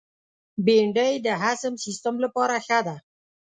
بېنډۍ د هضم سیستم لپاره ښه ده